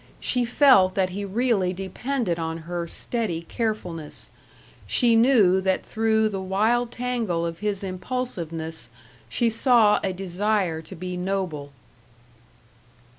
She felt that he really depended on her steady carefulness; she knew that through the wild tangle of his impulsiveness she saw a desire to be noble.